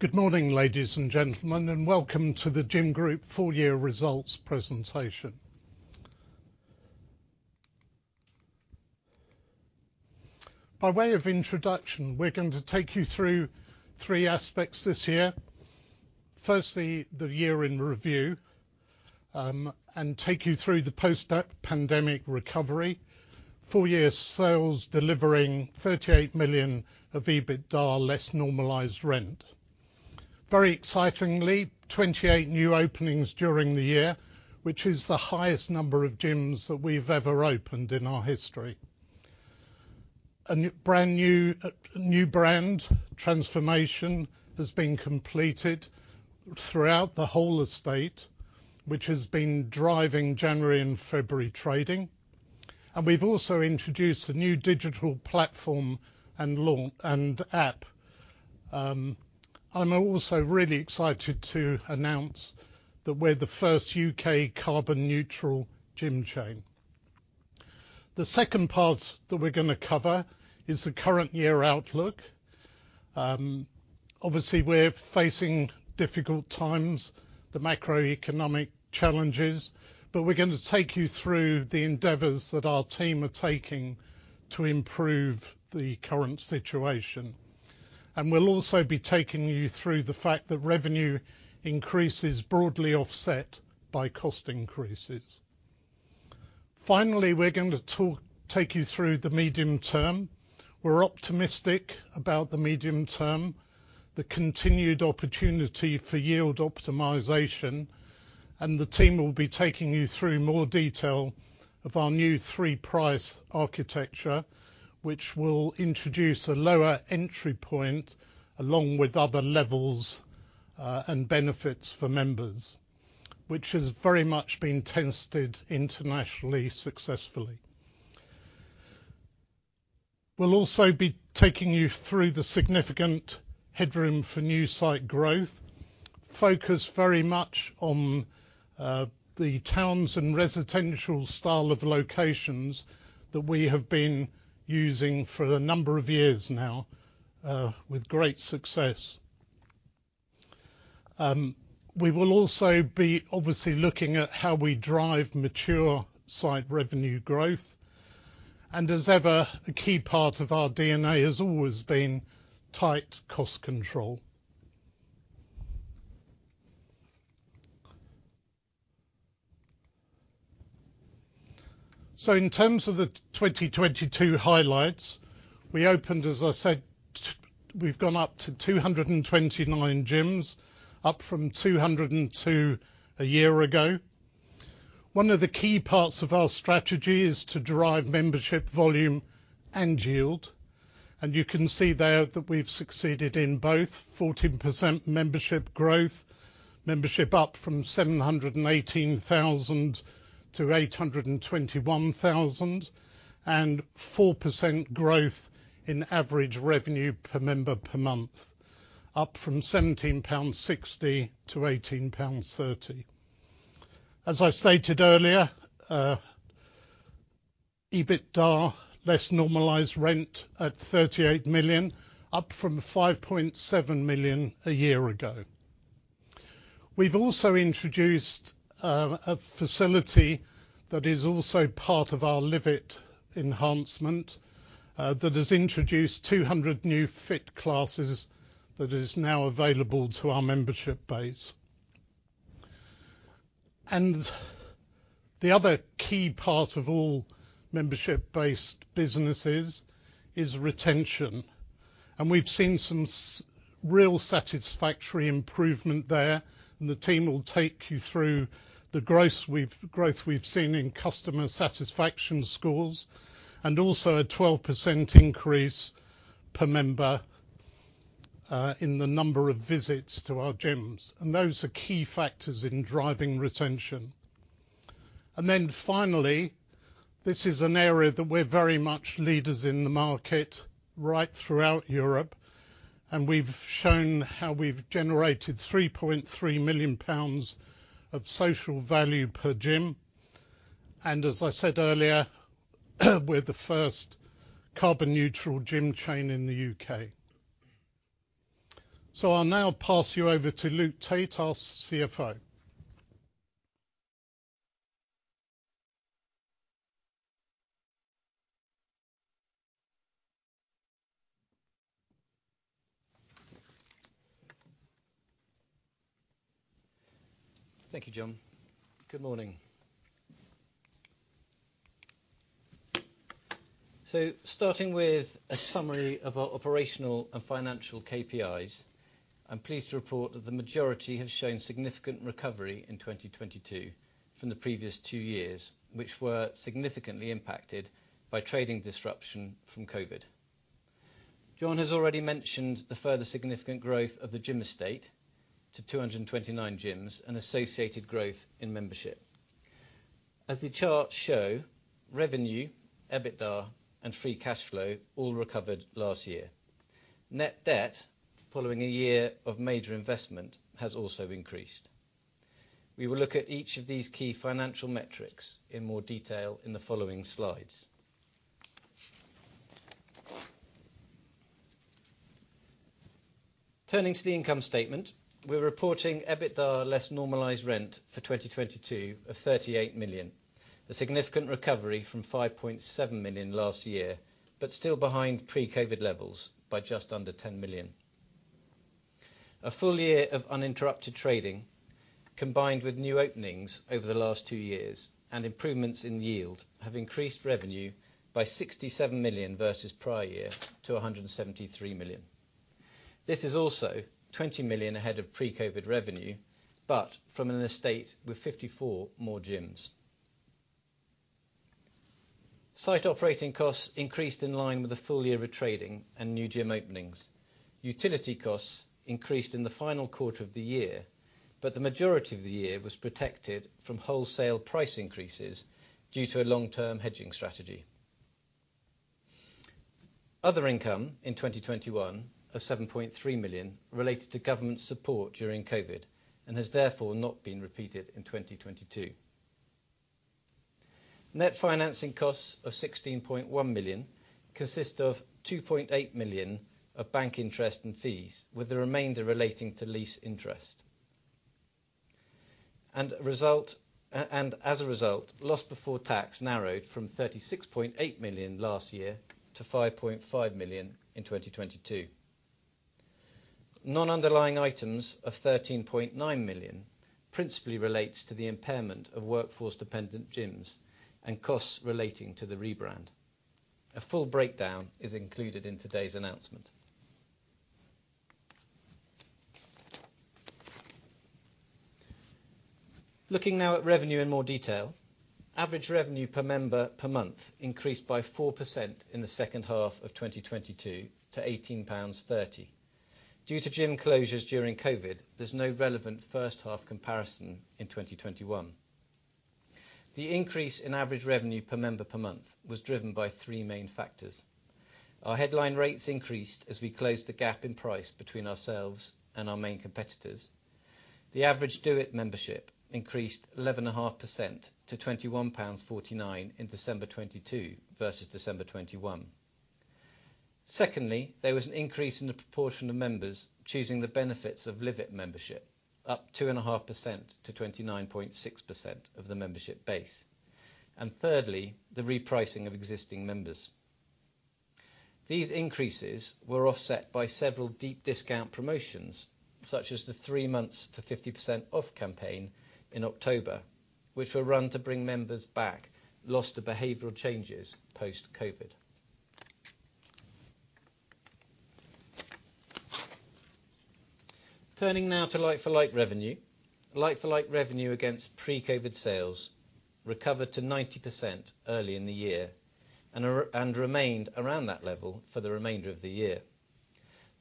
Good morning, ladies and gentlemen, and welcome to The Gym Group full year results presentation. By way of introduction, we're going to take you through three aspects this year. Firstly, the year in review, and take you through the post-pandemic recovery. Full year sales delivering 38 million of EBITDA less normalized rent. Very excitingly, 28 new openings during the year, which is the highest number of gyms that we've ever opened in our history. Brand new brand transformation has been completed throughout the whole estate, which has been driving January and February trading, and we've also introduced a new digital platform and app. We're also really excited to announce that we're the first U.K. carbon neutral gym chain. The second part that we're gonna cover is the current year outlook. Obviously we're facing difficult times, the macroeconomic challenges. We're gonna take you through the endeavors that our team are taking to improve the current situation. We'll also be taking you through the fact that revenue increase is broadly offset by cost increases. Finally, we're going to take you through the medium term. We're optimistic about the medium term, the continued opportunity for yield optimization. The team will be taking you through more detail of our new three price architecture, which will introduce a lower entry point along with other levels and benefits for members, which has very much been tested internationally successfully. We'll also be taking you through the significant headroom for new site growth. Focus very much on the towns and residential style of locations that we have been using for a number of years now with great success. We will also be obviously looking at how we drive mature site revenue growth. As ever, a key part of our DNA has always been tight cost control. In terms of the 2022 highlights, we opened, as I said, we've gone up to 229 gyms, up from 202 a year ago. One of the key parts of our strategy is to drive membership volume and yield. You can see there that we've succeeded in both. 14% membership growth, membership up from 718,000 to 821,000. 4% growth in average revenue per member per month, up from 17.60 pounds to 18.30 pounds. As I stated earlier, EBITDA less normalized rent at 38 million, up from 5.7 million a year ago. We've also introduced a facility that is also part of our LIVE IT enhancement that has introduced 200 new Fiit classes that is now available to our membership base. The other key part of all membership based businesses is retention, and we've seen some real satisfactory improvement there, and the team will take you through the growth we've seen in customer satisfaction scores and also a 12% increase per member in the number of visits to our gyms. Those are key factors in driving retention. Finally, this is an area that we're very much leaders in the market right throughout Europe, and we've shown how we've generated 3.3 million pounds of social value per gym. As I said earlier, we're the first carbon neutral gym chain in the U.K. I'll now pass you over to Luke Tait, our CFO. Thank you, John. Good morning. Starting with a summary of our operational and financial KPIs, I'm pleased to report that the majority have shown significant recovery in 2022 from the previous two years, which were significantly impacted by trading disruption from COVID. John has already mentioned the further significant growth of the gym estate to 229 gyms and associated growth in membership. As the charts show, revenue, EBITDA, and free cash flow all recovered last year. Net debt, following a year of major investment, has also increased. We will look at each of these key financial metrics in more detail in the following slides. Turning to the income statement, we're reporting EBITDA less normalized rent for 2022 of 38 million. A significant recovery from 5.7 million last year, but still behind pre-COVID levels by just under 10 million. A full year of uninterrupted trading, combined with new openings over the last two years and improvements in yield, have increased revenue by 67 million versus prior year to 173 million. This is also 20 million ahead of pre-COVID revenue, but from an estate with 54 more gyms. Site operating costs increased in line with the full year of trading and new gym openings. Utility costs increased in the final quarter of the year, but the majority of the year was protected from wholesale price increases due to a long-term hedging strategy. Other income in 2021 of 7.3 million related to government support during COVID, and has therefore not been repeated in 2022. Net financing costs of 16.1 million consist of 2.8 million of bank interest and fees, with the remainder relating to lease interest. As a result, loss before tax narrowed from 36.8 million last year to 5.5 million in 2022. Non-underlying items of 13.9 million principally relates to the impairment of workforce-dependent gyms and costs relating to the rebrand. A full breakdown is included in today's announcement. Looking now at revenue in more detail. Average revenue per member per month increased by 4% in the second half of 2022 to 18.30 pounds. Due to gym closures during COVID, there's no relevant first half comparison in 2021. The increase in average revenue per member per month was driven by three main factors. Our headline rates increased as we closed the gap in price between ourselves and our main competitors. The average DO IT membership increased 11.5% to 21.49 pounds in December 2022 versus December 2021. Secondly, there was an increase in the proportion of members choosing the benefits of LIVE IT membership, up 2.5%-29.6% of the membership base. Thirdly, the repricing of existing members. These increases were offset by several deep discount promotions, such as the three months to 50% off campaign in October, which were run to bring members back lost to behavioral changes post-COVID. Turning now to like-for-like revenue. Like-for-like revenue against pre-COVID sales recovered to 90% early in the year and remained around that level for the remainder of the year.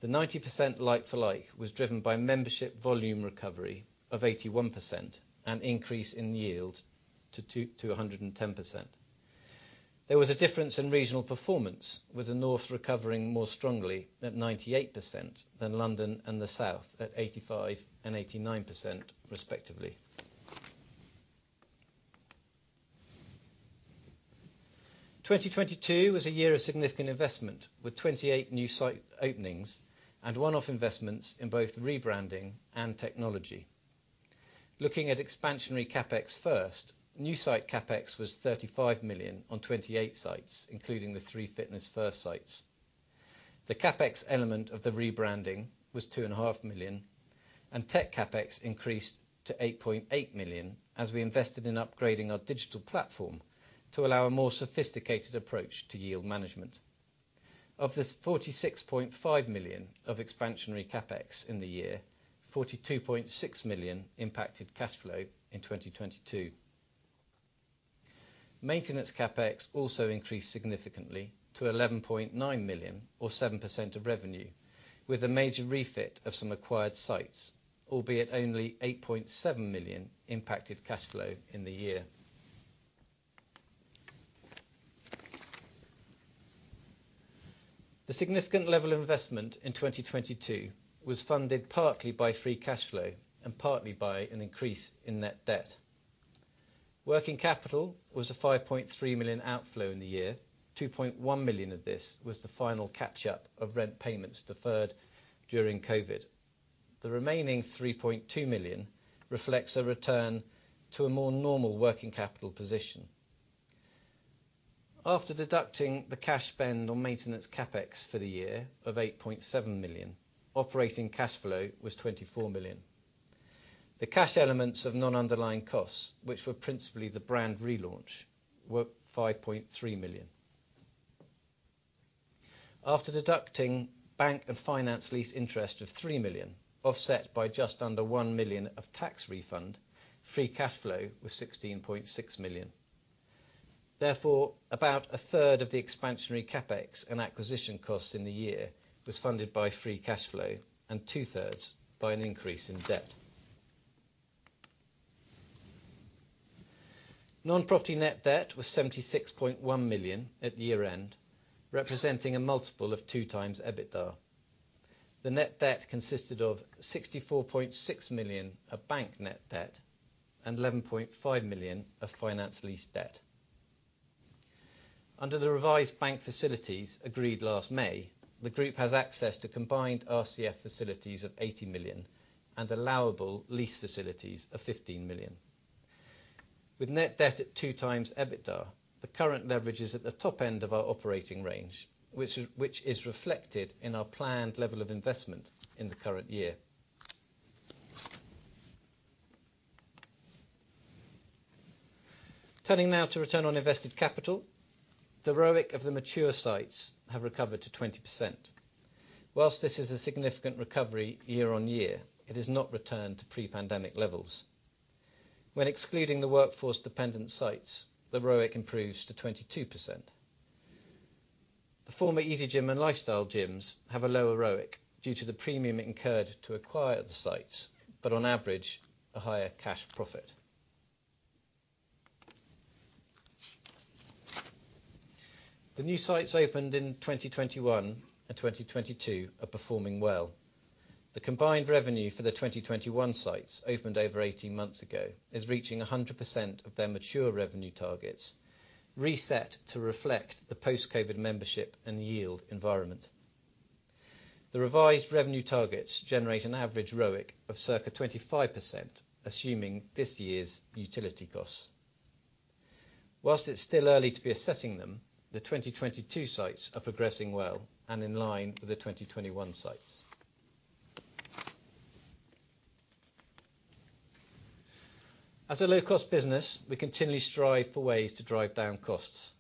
The 90% like-for-like was driven by membership volume recovery of 81%, an increase in yield to 110%. There was a difference in regional performance, with the North recovering more strongly at 98% than London and the South at 85% and 89% respectively. 2022 was a year of significant investment, with 28 new site openings and one-off investments in both rebranding and technology. Looking at expansionary CapEx first, new site CapEx was 35 million on 28 sites, including the three Fitness First sites. The CapEx element of the rebranding was two and a half million, and tech CapEx increased to 8.8 million as we invested in upgrading our digital platform to allow a more sophisticated approach to yield management. Of this 46.5 million of expansionary CapEx in the year, 42.6 million impacted cash flow in 2022. Maintenance CapEx also increased significantly to 11.9 million or 7% of revenue, with a major refit of some acquired sites, albeit only 8.7 million impacted cash flow in the year. The significant level of investment in 2022 was funded partly by free cash flow and partly by an increase in net debt. Working capital was a 5.3 million outflow in the year. 2.1 million of this was the final catch-up of rent payments deferred during COVID. The remaining 3.2 million reflects a return to a more normal working capital position. After deducting the cash spend on maintenance CapEx for the year of 8.7 million, operating cash flow was 24 million. The cash elements of non-underlying costs, which were principally the brand relaunch, were 5.3 million. After deducting bank and finance lease interest of 3 million, offset by just under 1 million of tax refund, free cash flow was 16.6 million. About a third of the expansionary CapEx and acquisition costs in the year was funded by free cash flow and two-thirds by an increase in debt. Non-property net debt was 76.1 million at year-end, representing a multiple of 2x EBITDA. The net debt consisted of 64.6 million of bank net debt and 11.5 million of finance lease debt. Under the revised bank facilities agreed last May, the group has access to combined RCF facilities of 80 million and allowable lease facilities of 15 million. With net debt at two times EBITDA, the current leverage is at the top end of our operating range, which is reflected in our planned level of investment in the current year. Turning now to return on invested capital. The ROIC of the mature sites have recovered to 20%. Whilst this is a significant recovery year-over-year, it has not returned to pre-pandemic levels. When excluding the workforce-dependent sites, the ROIC improves to 22%. The former easyGym and Lifestyle gyms have a lower ROIC due to the premium incurred to acquire the sites, but on average, a higher cash profit. The new sites opened in 2021 and 2022 are performing well. The combined revenue for the 2021 sites opened over 18 months ago is reaching 100% of their mature revenue targets, reset to reflect the post-COVID membership and yield environment. The revised revenue targets generate an average ROIC of circa 25%, assuming this year's utility costs. Whilst it's still early to be assessing them, the 2022 sites are progressing well and in line with the 2021 sites. As a low-cost business, we continually strive for ways to drive down costs.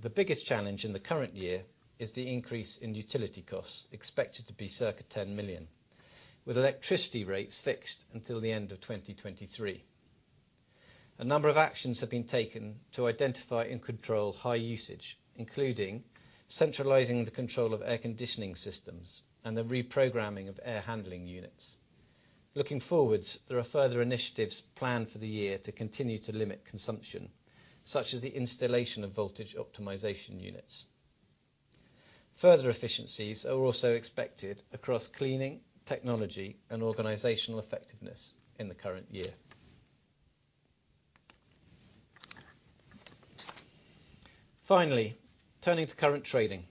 The biggest challenge in the current year is the increase in utility costs, expected to be circa 10 million, with electricity rates fixed until the end of 2023. A number of actions have been taken to identify and control high usage, including centralizing the control of air conditioning systems and the reprogramming of air handling units. Looking forwards, there are further initiatives planned for the year to continue to limit consumption, such as the installation of voltage optimization units. Further efficiencies are also expected across cleaning, technology, and organizational effectiveness in the current year. Finally, turning to current trading.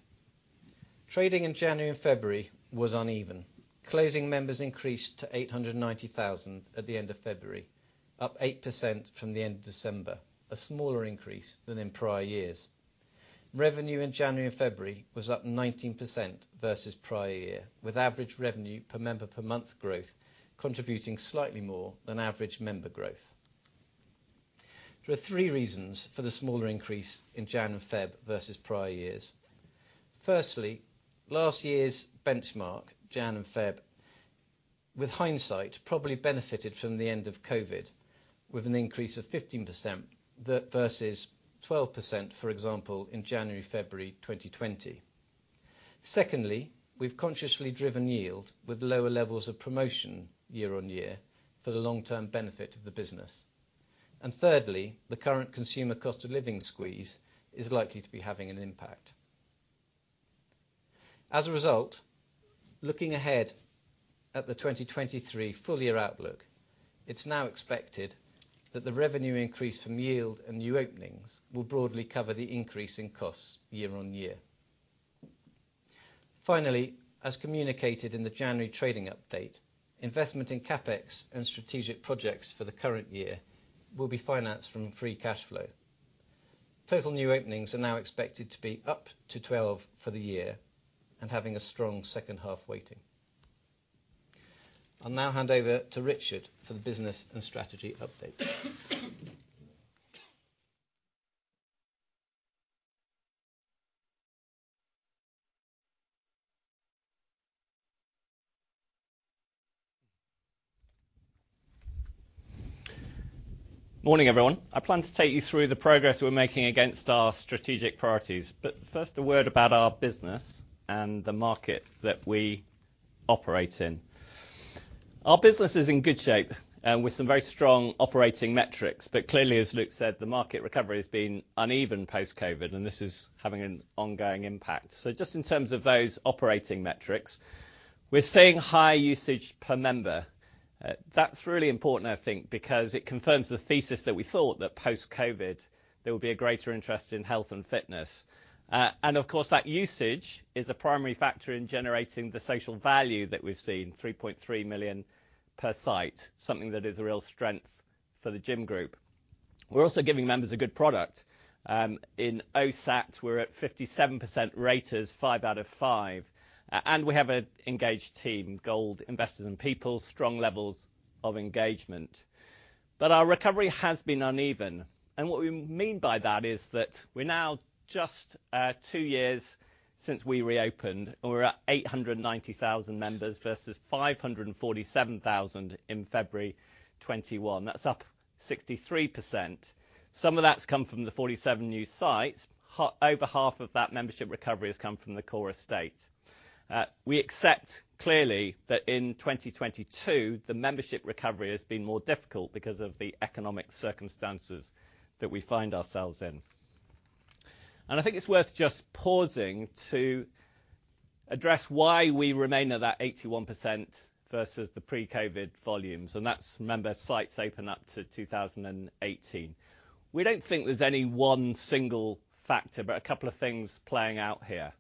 Trading in January and February was uneven. Closing members increased to 890,000 at the end of February, up 8% from the end of December, a smaller increase than in prior years. Revenue in January and February was up 19% versus prior year, with average revenue per member per month growth contributing slightly more than average member growth. There are three reasons for the smaller increase in Jan and Feb versus prior years. Firstly, last year's benchmark, Jan and Feb, with hindsight, probably benefited from the end of COVID with an increase of 15% versus 12%, for example, in January, February 2020. Secondly, we've consciously driven yield with lower levels of promotion year on year for the long-term benefit of the business. Thirdly, the current consumer cost of living squeeze is likely to be having an impact. As a result, looking ahead at the 2023 full year outlook, it's now expected that the revenue increase from yield and new openings will broadly cover the increase in costs year on year. Finally, as communicated in the January trading update, investment in CapEx and strategic projects for the current year will be financed from free cash flow. Total new openings are now expected to be up to 12 for the year and having a strong second half waiting. I'll now hand over to Richard for the business and strategy update. Morning, everyone. I plan to take you through the progress we're making against our strategic priorities. First, a word about our business and the market that we operate in. Our business is in good shape, with some very strong operating metrics. Clearly, as Luke said, the market recovery has been uneven post-COVID, and this is having an ongoing impact. Just in terms of those operating metrics, we're seeing high usage per member. That's really important, I think, because it confirms the thesis that we thought that post-COVID there would be a greater interest in health and fitness. And of course, that usage is a primary factor in generating the social value that we've seen, 3.3 million per site, something that is a real strength for The Gym Group. We're also giving members a good product. In OSAT, we're at 57% raters, 5 out of 5. We have an engaged team, Gold Investors in People, strong levels of engagement. Our recovery has been uneven, and what we mean by that is that we're now just two years since we reopened. We're at 890,000 members versus 547,000 in February 2021. That's up 63%. Some of that's come from the 47 new sites. Over half of that membership recovery has come from the core estate. We accept clearly that in 2022, the membership recovery has been more difficult because of the economic circumstances that we find ourselves in. I think it's worth just pausing to address why we remain at that 81% versus the pre-COVID volumes. That's member sites open up to 2018. We don't think there's any one single factor, but a couple of things playing out here.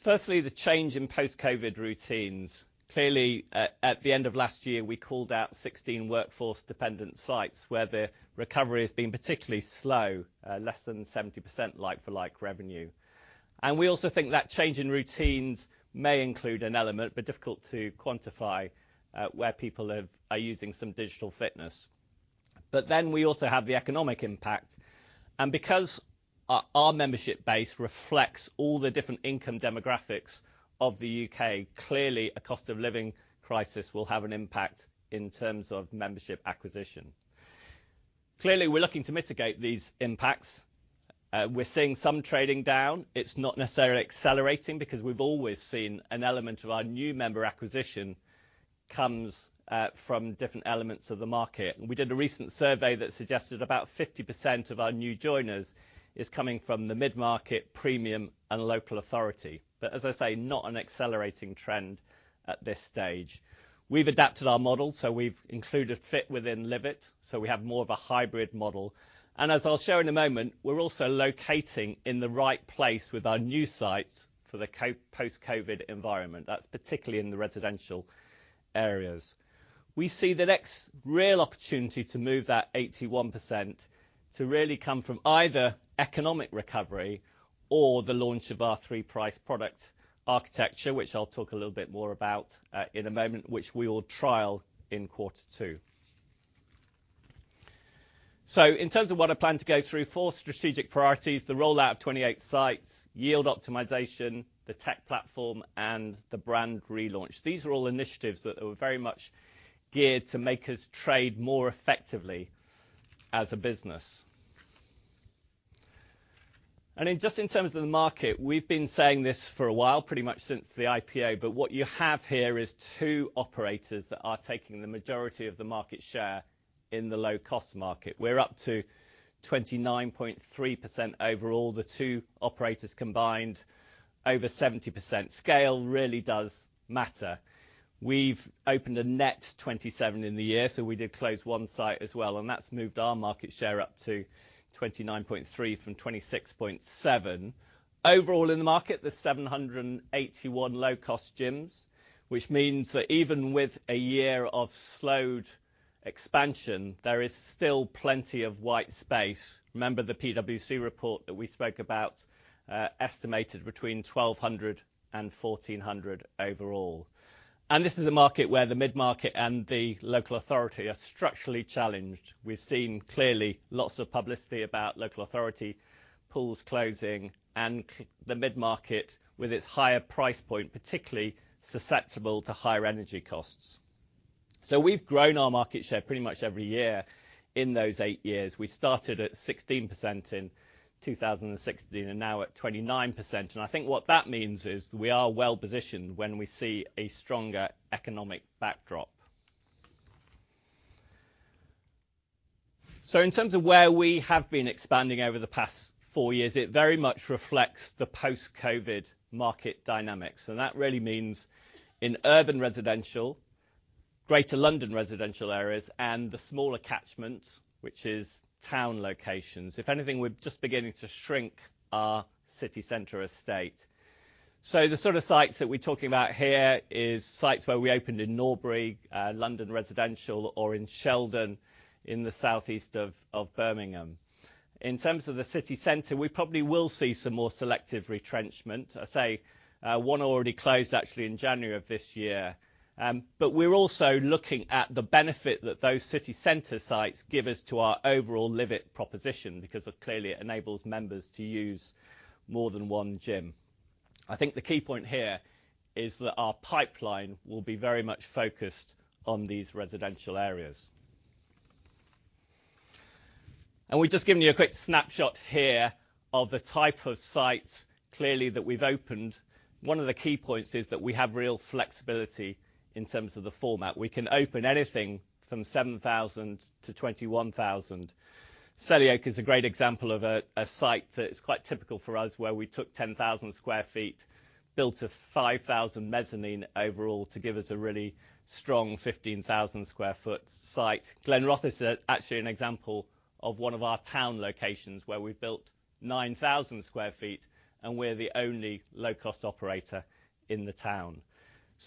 Firstly, the change in post-COVID routines. Clearly, at the end of last year, we called out 16 workforce-dependent sites where the recovery has been particularly slow, less than 70% like-for-like revenue. We also think that change in routines may include an element, but difficult to quantify, where people are using some digital fitness. We also have the economic impact, and because our membership base reflects all the different income demographics of the U.K., clearly a cost of living crisis will have an impact in terms of membership acquisition. Clearly, we're looking to mitigate these impacts. We're seeing some trading down. It's not necessarily accelerating because we've always seen an element of our new member acquisition comes from different elements of the market. We did a recent survey that suggested about 50% of our new joiners is coming from the mid-market premium and local authority. As I say, not an accelerating trend at this stage. We've adapted our model, so we've included Fiit within LIVE IT, so we have more of a hybrid model. As I'll show in a moment, we're also locating in the right place with our new sites for the post-COVID environment. That's particularly in the residential areas. We see the next real opportunity to move that 81% to really come from either economic recovery or the launch of our three price product architecture, which I'll talk a little bit more about, in a moment, which we will trial in quarter two. In terms of what I plan to go through, four strategic priorities, the rollout of 28 sites, yield optimization, the tech platform, and the brand relaunch. These are all initiatives that were very much geared to make us trade more effectively as a business. Just in terms of the market, we've been saying this for a while, pretty much since the IPO, but what you have here is two operators that are taking the majority of the market share in the low-cost market. We're up to 29.3% overall. The two operators combined over 70%. Scale really does matter. We've opened a net 27 in the year, so we did close one site as well, and that's moved our market share up to 29.3% from 26.7%. Overall in the market, there's 781 low cost gyms, which means that even with a year of slowed expansion, there is still plenty of white space. Remember the PwC report that we spoke about, estimated between 1,200 and 1,400 overall. This is a market where the mid-market and the local authority are structurally challenged. We've seen clearly lots of publicity about local authority pools closing and the mid-market with its higher price point, particularly susceptible to higher energy costs. We've grown our market share pretty much every year in those eight years. We started at 16% in 2016 and now at 29%. I think what that means is we are well positioned when we see a stronger economic backdrop. In terms of where we have been expanding over the past four years, it very much reflects the post-COVID market dynamics. That really means in urban residential, greater London residential areas, and the smaller catchment, which is town locations. If anything, we're just beginning to shrink our city center estate. The sort of sites that we're talking about here is sites where we opened in Norbury, London residential or in Sheldon in the southeast of Birmingham. In terms of the city center, we probably will see some more selective retrenchment. I say, one already closed actually in January of this year. We're also looking at the benefit that those city center sites give us to our overall LIVE IT proposition because clearly it enables members to use more than one gym. I think the key point here is that our pipeline will be very much focused on these residential areas. We've just given you a quick snapshot here of the type of sites clearly that we've opened. One of the key points is that we have real flexibility in terms of the format. We can open anything from 7,000-21,000 sq ft. Selly Oak is a great example of a site that is quite typical for us, where we took 10,000 sq ft, built a 5,000 sq ft mezzanine overall to give us a really strong 15,000 sq ft site. Glenrothes is actually an example of one of our town locations where we've built 9,000 sq ft and we're the only low cost operator in the town.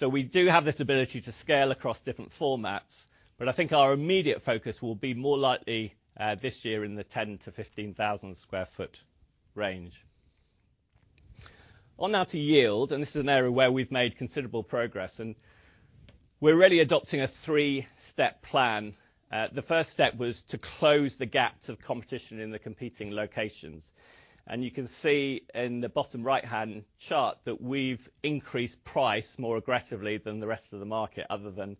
We do have this ability to scale across different formats, but I think our immediate focus will be more likely this year in the 10,000-15,000 sq ft range. On now to yield, this is an area where we've made considerable progress, and we're really adopting a three-step plan. The first step was to close the gaps of competition in the competing locations. And you can see in the bottom right-hand chart that we've increased price more aggressively than the rest of the market other than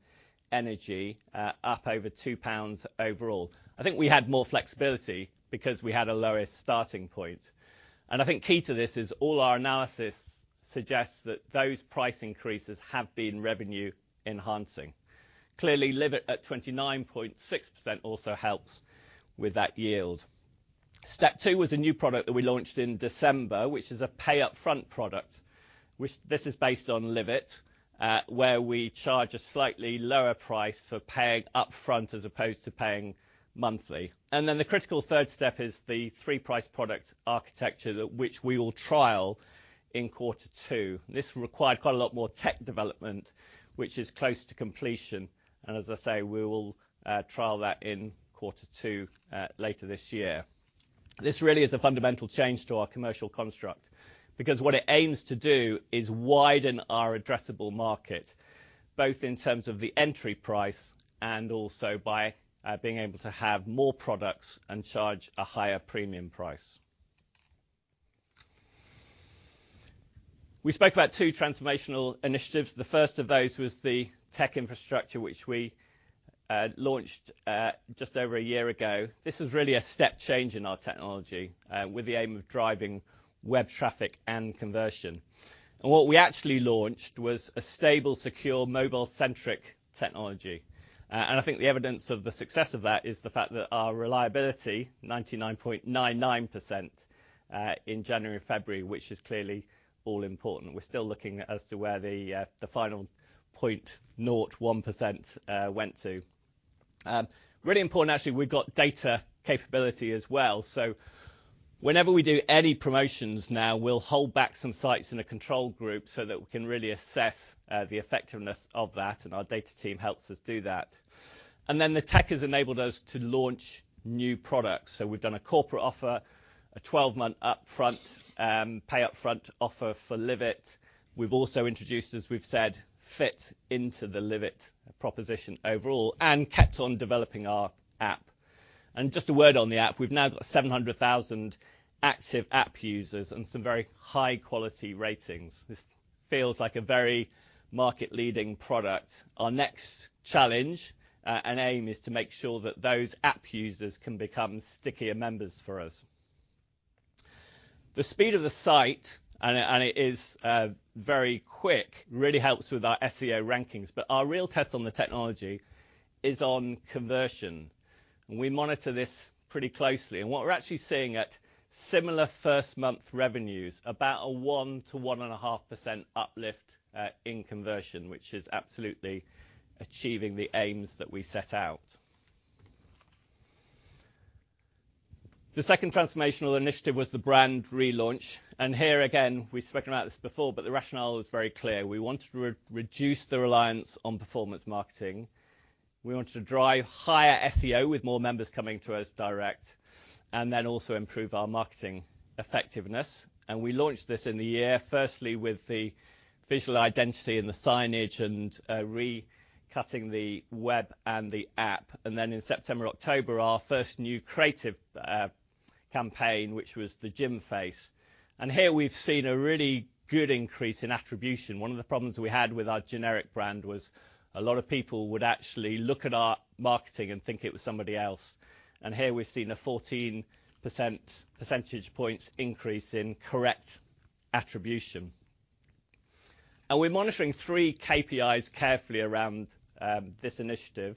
energy, up over 2 pounds overall. I think we had more flexibility because we had a lower starting point. I think key to this is all our analysis suggest that those price increases have been revenue enhancing. Clearly, LIVE IT at 29.6% also helps with that yield. Step 2 was a new product that we launched in December, which is a pay upfront product, which this is based on LIVE IT, where we charge a slightly lower price for paying upfront as opposed to paying monthly. The critical third step is the three-price product architecture that which we will trial in quarter two. This required quite a lot more tech development, which is close to completion. As I say, we will trial that in quarter two later this year. This really is a fundamental change to our commercial construct because what it aims to do is widen our addressable market, both in terms of the entry price and also by being able to have more products and charge a higher premium price. We spoke about two transformational initiatives. The first of those was the tech infrastructure, which we launched just over a year ago. This is really a step change in our technology with the aim of driving web traffic and conversion. And what we actually launched was a stable, secure mobile-centric technology. And I think the evidence of the success of that is the fact that our reliability 99.99%, in January and February, which is clearly all important. We're still looking as to where the final 0.01% went to. Really important actually, we've got data capability as well. Whenever we do any promotions now we'll hold back some sites in a control group so that we can really assess the effectiveness of that, and our data team helps us do that. Then the tech has enabled us to launch new products. We've done a corporate offer, a 12-month upfront, pay upfront offer for LIVE IT. We've also introduced, as we've said, Fiit into the LIVE IT proposition overall and kept on developing our app. Just a word on the app. We've now got 700,000 active app users and some very high-quality ratings. This feels like a very market-leading product. Our next challenge, and aim is to make sure that those app users can become stickier members for us. The speed of the site, and it is very quick, really helps with our SEO rankings, but our real test on the technology is on conversion. We monitor this pretty closely. What we're actually seeing at similar first-month revenues, about a 1%-1.5% uplift in conversion, which is absolutely achieving the aims that we set out. The second transformational initiative was the brand relaunch. Here again, we've spoken about this before, but the rationale is very clear. We want to reduce the reliance on performance marketing. We want to drive higher SEO with more members coming to us direct and then also improve our marketing effectiveness. We launched this in the year, firstly with the visual identity and the signage and recutting the web and the app. In September, October, our first new creative campaign, which was The Gym Face. Here we've seen a really good increase in attribution. One of the problems we had with our generic brand was a lot of people would actually look at our marketing and think it was somebody else. Here we've seen a 14% percentage points increase in correct attribution. We're monitoring three KPIs carefully around this initiative: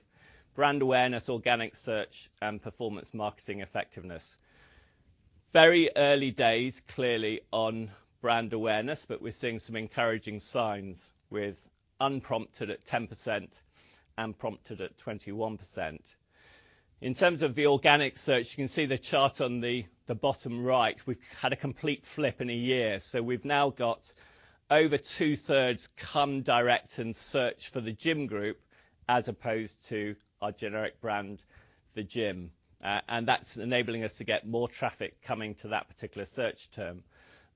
brand awareness, organic search, and performance marketing effectiveness. Very early days, clearly on brand awareness, we're seeing some encouraging signs with unprompted at 10% and prompted at 21%. In terms of the organic search, you can see the chart on the bottom right. We've had a complete flip in a year. We've now got over two-thirds come direct and search for The Gym Group as opposed to our generic brand, The Gym. That's enabling us to get more traffic coming to that particular search term.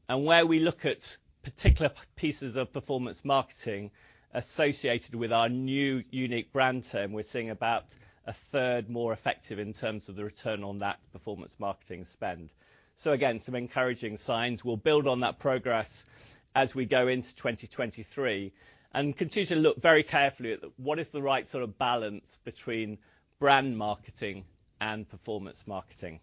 Where we look at particular pieces of performance marketing associated with our new unique brand term, we're seeing about a third more effective in terms of the return on that performance marketing spend. Again, some encouraging signs. We'll build on that progress as we go into 2023 and continue to look very carefully at what is the right sort of balance between brand marketing and performance marketing.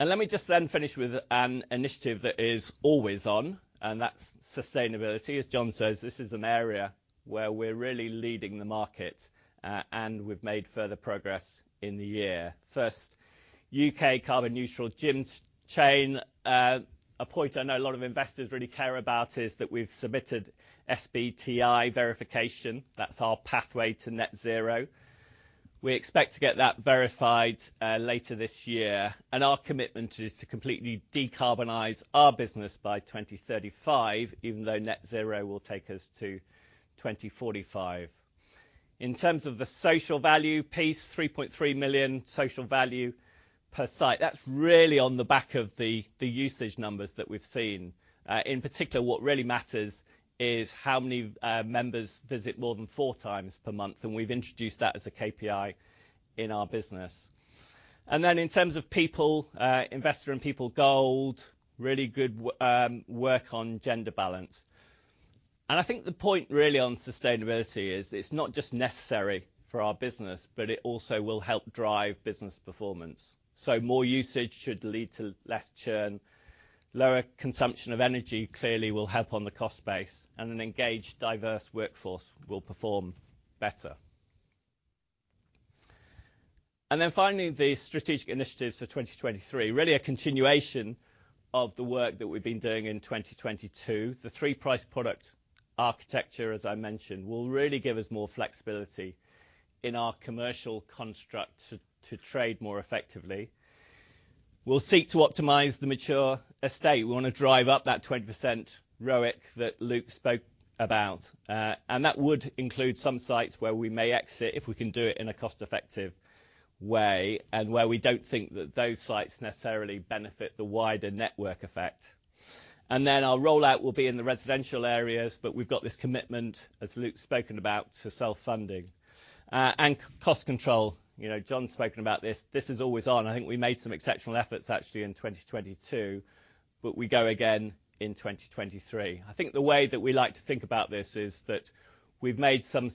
Let me just then finish with an initiative that is always on, and that's sustainability. As John says, this is an area where we're really leading the market, and we've made further progress in the year. First, U.K. carbon neutral gym chain. a point I know a lot of investors really care about is that we've submitted SBTI verification. That's our pathway to net zero. We expect to get that verified, later this year. Our commitment is to completely decarbonize our business by 2035, even though net zero will take us to 2045. In terms of the social value piece, 3.3 million social value per site. That's really on the back of the usage numbers that we've seen. in particular, what really matters is how many members visit more than four times per month, and we've introduced that as a KPI in our business. In terms of people, Investors in People Gold, really good work on gender balance. I think the point really on sustainability is it's not just necessary for our business, but it also will help drive business performance. More usage should lead to less churn. Lower consumption of energy clearly will help on the cost base, an engaged, diverse workforce will perform better. Finally, the strategic initiatives for 2023. Really a continuation of the work that we've been doing in 2022. The three-price product architecture, as I mentioned, will really give us more flexibility in our commercial construct to trade more effectively. We'll seek to optimize the mature estate. We wanna drive up that 20% ROIC that Luke spoke about. That would include some sites where we may exit if we can do it in a cost-effective way, and where we don't think that those sites necessarily benefit the wider network effect. Then our rollout will be in the residential areas, but we've got this commitment, as Luke spoken about, to self-funding. Cost control, you know, John's spoken about this. This is always on. I think we made some exceptional efforts actually in 2022, but we go again in 2023. I think the way that we like to think about this is that we've made some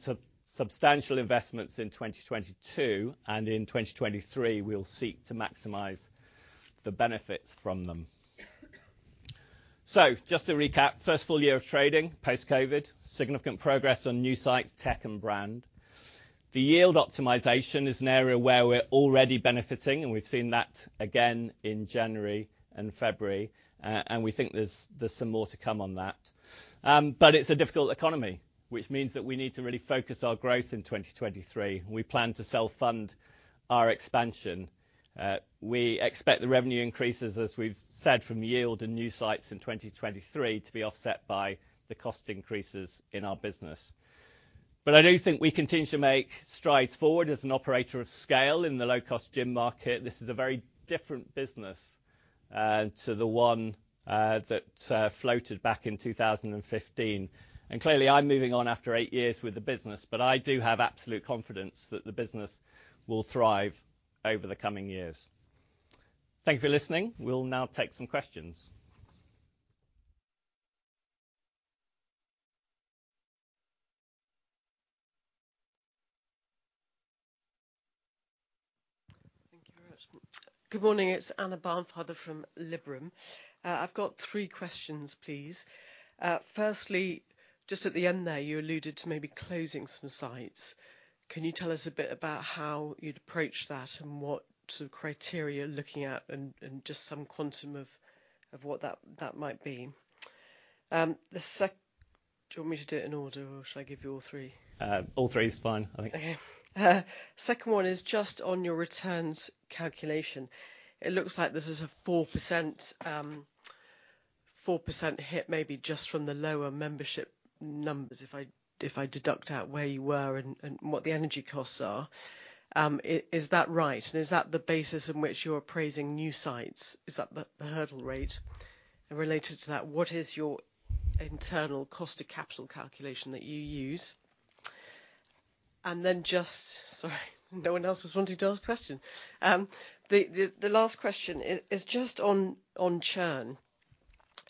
substantial investments in 2022, and in 2023 we'll seek to maximize the benefits from them. Just to recap, first full year of trading, post-COVID, significant progress on new sites, tech and brand. The yield optimization is an area where we're already benefiting, and we've seen that again in January and February. We think there's some more to come on that. It's a difficult economy, which means that we need to really focus our growth in 2023, and we plan to self-fund our expansion. We expect the revenue increases, as we've said, from yield and new sites in 2023 to be offset by the cost increases in our business. I do think we continue to make strides forward as an operator of scale in the low-cost gym market. This is a very different business to the one that floated back in 2015. Clearly I'm moving on after eight years with the business, but I do have absolute confidence that the business will thrive over the coming years. Thank you for listening. We'll now take some questions. Thank you very much. Good morning, it's Anna Barnfather from Liberum. I've got three questions, please. Firstly, just at the end there, you alluded to maybe closing some sites. Can you tell us a bit about how you'd approach that and what sort of criteria you're looking at and just some quantum of what that might be? Do you want me to do it in order or should I give you all three? All three is fine, I think. Okay. Second one is just on your returns calculation. It looks like this is a 4%, 4% hit maybe just from the lower membership numbers, if I deduct out where you were and what the energy costs are. Is that right? Is that the basis in which you're appraising new sites? Is that the hurdle rate? Related to that, what is your internal cost to capital calculation that you use? Just Sorry, no one else was wanting to ask a question. The last question is just on churn.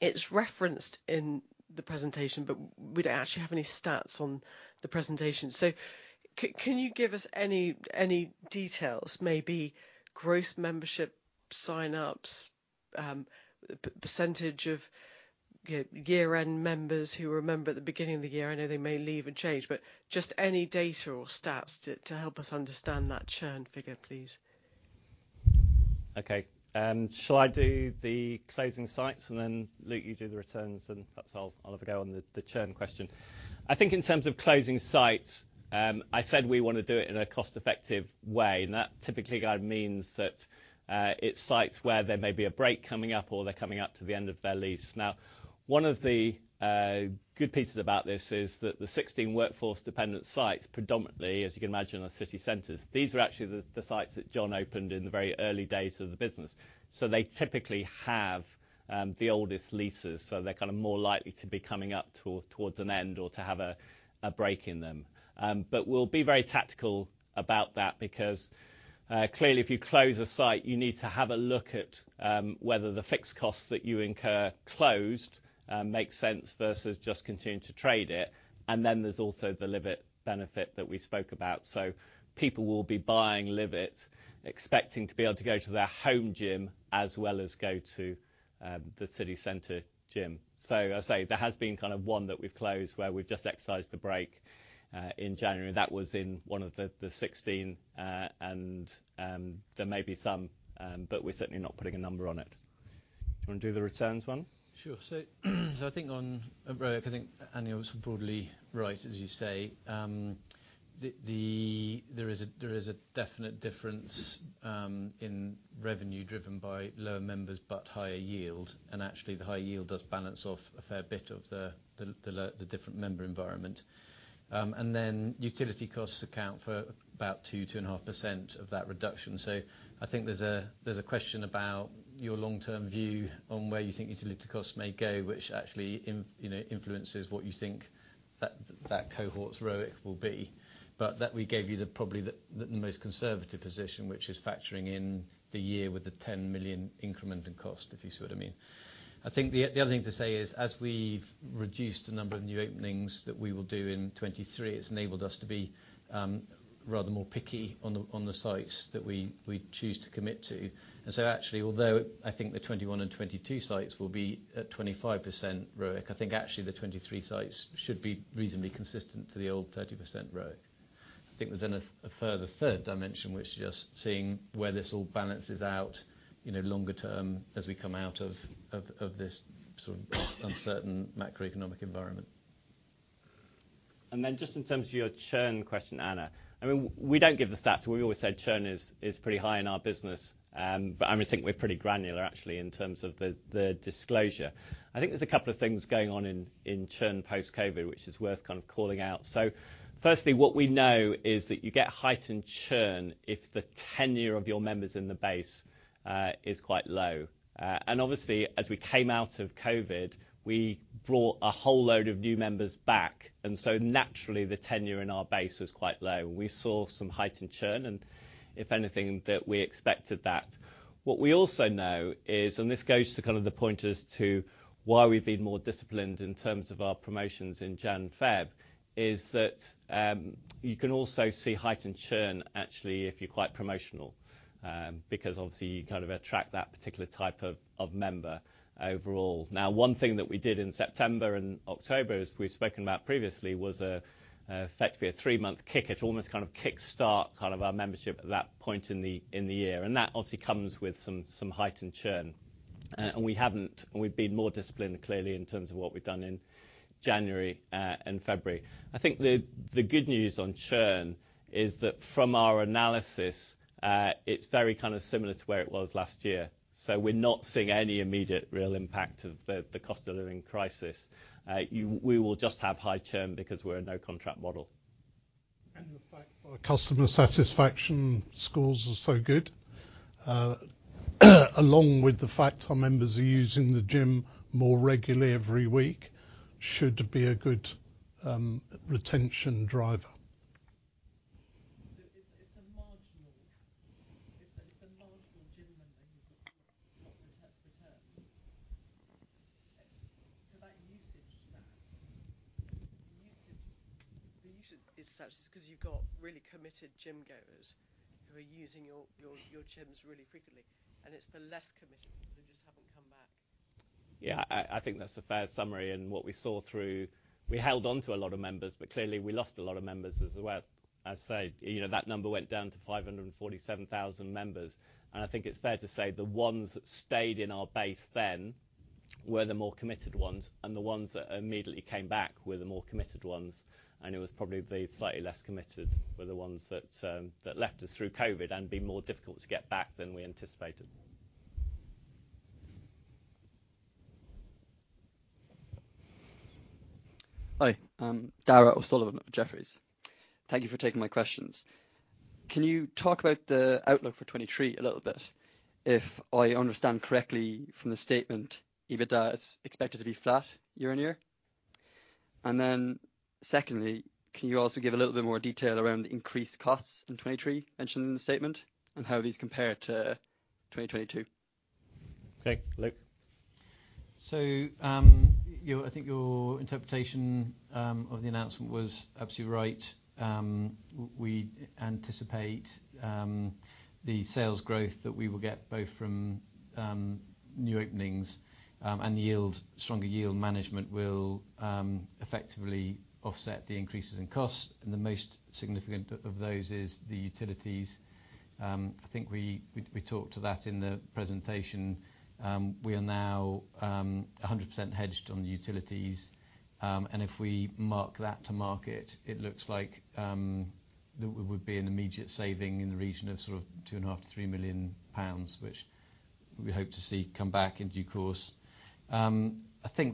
It's referenced in the presentation, we don't actually have any stats on the presentation. Can you give us any details, maybe gross membership sign-ups, percentage of year-end members who were a member at the beginning of the year? I know they may leave and change, just any data or stats to help us understand that churn figure, please. Okay. Shall I do the closing sites and then Luke, you do the returns and perhaps I'll have a go on the churn question. I think in terms of closing sites, I said we wanna do it in a cost-effective way, and that typically kind of means that it's sites where there may be a break coming up or they're coming up to the end of their lease. One of the good pieces about this is that the 16 workforce dependent sites, predominantly, as you can imagine, are city centers. These are actually the sites that John opened in the very early days of the business. They typically have the oldest leases, so they're kinda more likely to be coming up towards an end or to have a break in them. We'll be very tactical about that because clearly if you close a site, you need to have a look at whether the fixed costs that you incur closed make sense versus just continuing to trade it. There's also the LIVE IT benefit that we spoke about. People will be buying LIVE IT expecting to be able to go to their home gym as well as go to the city center gym. I say there has been kind of one that we've closed where we've just exercised the break in January. That was in one of the 16, and there may be some, but we're certainly not putting a number on it. Do you wanna do the returns one? Sure. I think on ROIC, I think, Anna, it was broadly right, as you say. There is a definite difference in revenue driven by lower members but higher yield, and actually the high yield does balance off a fair bit of the different member environment. Utility costs account for about 2-2.5% of that reduction. I think there's a question about your long-term view on where you think utility costs may go, which actually, you know, influences what you think that cohort's ROIC will be. That we gave you probably the most conservative position, which is factoring in the year with the 10 million increment and cost, if you see what I mean. I think the other thing to say is, as we've reduced the number of new openings that we will do in 23, it's enabled us to be rather more picky on the sites that we choose to commit to. Actually, although I think the 21 and 22 sites will be at 25% ROIC, I think actually the 23 sites should be reasonably consistent to the old 30% ROIC. There's then a further third dimension, which is just seeing where this all balances out, you know, longer term as we come out of this sort of this uncertain macroeconomic environment. Just in terms of your churn question, Anna. I mean, we don't give the stats. We've always said churn is pretty high in our business. I mean, I think we're pretty granular actually in terms of the disclosure. I think there's a couple of things going on in churn post-COVID, which is worth kind of calling out. Firstly, what we know is that you get heightened churn if the tenure of your members in the base is quite low. Obviously, as we came out of COVID, we brought a whole load of new members back, and so naturally, the tenure in our base was quite low, and we saw some heightened churn, and if anything that we expected that. What we also know is, this goes to kind of the pointers to why we've been more disciplined in terms of our promotions in January/February, is that you can also see heightened churn actually if you're quite promotional, because obviously you kind of attract that particular type of member overall. One thing that we did in September and October, as we've spoken about previously, was effectively a three-month kick. It almost kind of kick-start kind of our membership at that point in the year, and that obviously comes with some heightened churn. We haven't. We've been more disciplined clearly in terms of what we've done in January and February. I think the good news on churn is that from our analysis, it's very kind of similar to where it was last year. We're not seeing any immediate real impact of the cost of living crisis. We will just have high churn because we're a no-contract model. The fact our customer satisfaction scores are so good, along with the fact our members are using the gym more regularly every week should be a good retention driver. It's the marginal. It's the marginal gym member who's not returned. That usage stat. The usage is such 'cause you've got really committed gym-goers who are using your gyms really frequently, and it's the less committed people who just haven't come back. I think that's a fair summary. What we saw through... We held on to a lot of members, but clearly we lost a lot of members as well. As I say, you know, that number went down to 547,000 members, and I think it's fair to say the ones that stayed in our base then were the more committed ones. The ones that immediately came back were the more committed ones, and it was probably the slightly less committed were the ones that left us through COVID and been more difficult to get back than we anticipated. Hi. I'm Darragh O'Sullivan, Jefferies. Thank you for taking my questions. Can you talk about the outlook for 2023 a little bit? If I understand correctly from the statement, EBITDA is expected to be flat year-on-year. Secondly, can you also give a little bit more detail around the increased costs in 2023 mentioned in the statement, and how these compare to 2022? Okay, Luke. Your, I think your interpretation of the announcement was absolutely right. We anticipate the sales growth that we will get both from new openings and yield, stronger yield management will effectively offset the increases in costs, and the most significant of those is the utilities. I think we talked to that in the presentation. We are now 100% hedged on the utilities. If we mark that to market, it looks like that would be an immediate saving in the region of sort of 2.5 million-3 million pounds, which we hope to see come back in due course. I think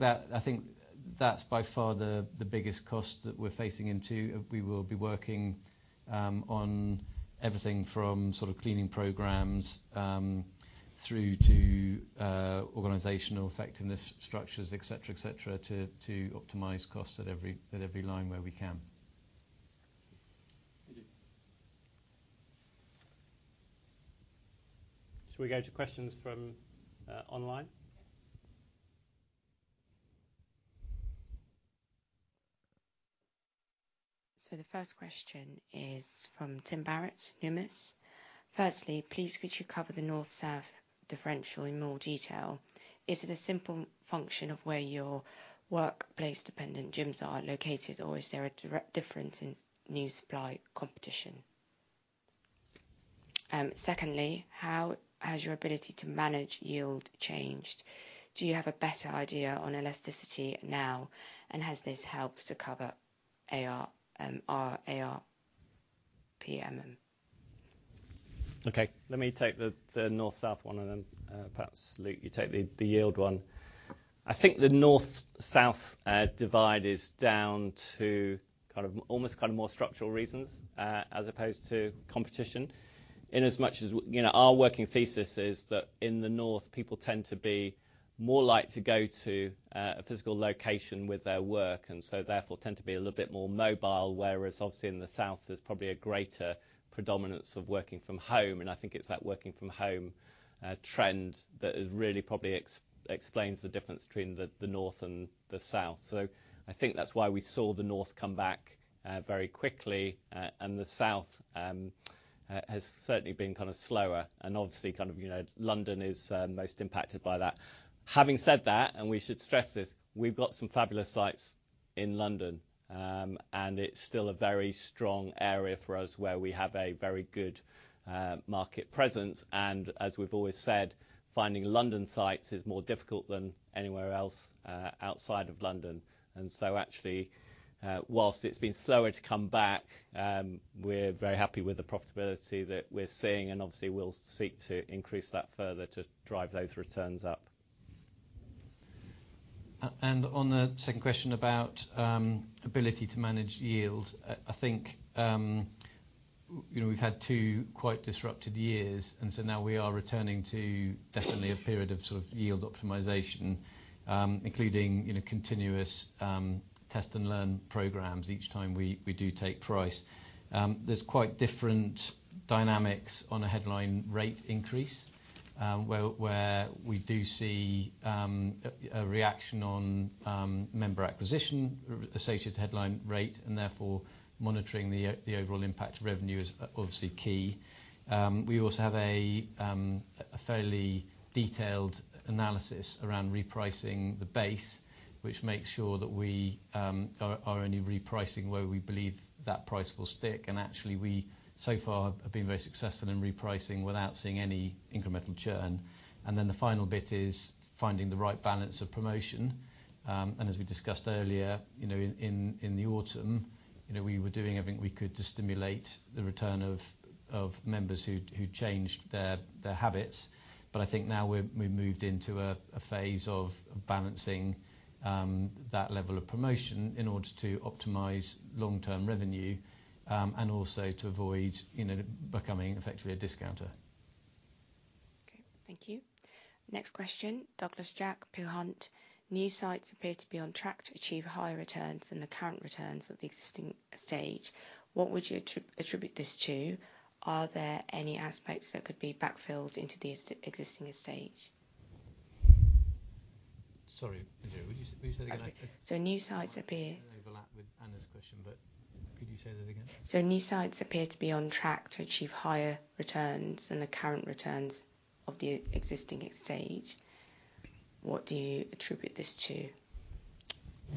that's by far the biggest cost that we're facing into. We will be working on everything from sort of cleaning programs through to organizational effectiveness structures, et cetera, to optimize costs at every line where we can. Thank you. Shall we go to questions from online? The first question is from Tim Barrett, Numis. Firstly, please could you cover the North-South differential in more detail? Is it a simple function of where your workplace-dependent gyms are located, or is there a difference in new supply competition? Secondly, how has your ability to manage yield changed? Do you have a better idea on elasticity now, and has this helped to cover our ARPM? Okay. Let me take the North-South one and then, perhaps, Luke, you take the yield one. I think the North-South divide is down to almost kind of more structural reasons, as opposed to competition. In as much as, you know, our working thesis is that in the north, people tend to be more likely to go to a physical location with their work, and so therefore tend to be a little bit more mobile. Whereas obviously in the south, there's probably a greater predominance of working from home, and I think it's that working from home trend that really probably explains the difference between the north and the south. I think that's why we saw the north come back very quickly. The south has certainly been slower and obviously London is most impacted by that. Having said that, and we should stress this, we've got some fabulous sites in London. It's still a very strong area for us where we have a very good market presence. As we've always said, finding London sites is more difficult than anywhere else outside of London. Actually, whilst it's been slower to come back, we're very happy with the profitability that we're seeing and obviously we'll seek to increase that further to drive those returns up. On the second question about ability to manage yield, I think, you know, we've had two quite disrupted years. Now we are returning to definitely a period of sort of yield optimization, including, you know, continuous test and learn programs each time we do take price. There's quite different dynamics on a headline rate increase, where we do see a reaction on member acquisition associated with headline rate and therefore monitoring the overall impact to revenue is obviously key. We also have a fairly detailed analysis around repricing the base, which makes sure that we are only repricing where we believe that price will stick. Actually, we so far have been very successful in repricing without seeing any incremental churn. The final bit is finding the right balance of promotion. As we discussed earlier, you know, in the autumn, you know, we were doing everything we could to stimulate the return of members who'd changed their habits. I think now we've moved into a phase of balancing that level of promotion in order to optimize long-term revenue and also to avoid, you know, becoming effectively a discounter. Okay. Thank you. Next question. Douglas Jack, Peel Hunt. New sites appear to be on track to achieve higher returns than the current returns of the existing estate. What would you attribute this to? Are there any aspects that could be backfilled into the existing estate? Sorry, Andrea, would you say that again? The new sites appear- Overlap with Anna's question, but could you say that again? New sites appear to be on track to achieve higher returns than the current returns of the existing estate. What do you attribute this to?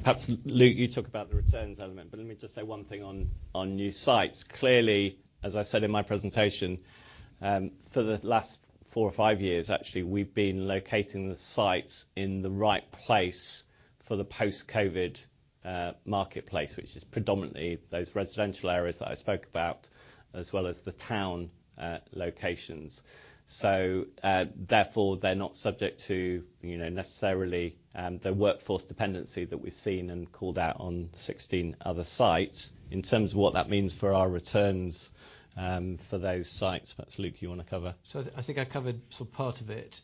Perhaps, Luke, you talk about the returns element. Let me just say one thing on new sites. Clearly, as I said in my presentation, for the last four or five years actually, we've been locating the sites in the right place for the post-COVID marketplace, which is predominantly those residential areas that I spoke about, as well as the town locations. Therefore, they're not subject to, you know, necessarily, the workforce dependency that we've seen and called out on 16 other sites. In terms of what that means for our returns, for those sites, perhaps Luke you wanna cover. I think I covered sort of part of it